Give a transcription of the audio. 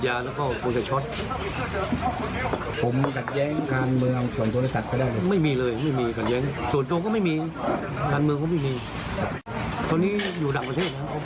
ต่างจากนี้ท่านสมชายก็ไม่อยู่บ้าง